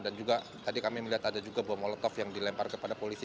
dan juga tadi kami melihat ada juga buah molotov yang dilempar kepada polisi